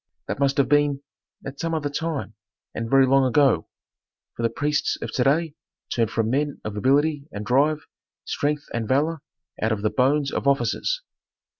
that must have been at some other time, and very long ago. For the priests of to day turn from men of ability and drive strength and valor out of the bones of officers."